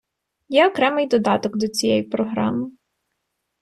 Є окремий додаток до цієї програми.